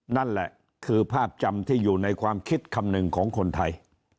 นั่นแหละคือภาพจำที่อยู่ในความคิดคำหนึ่งของคนไทย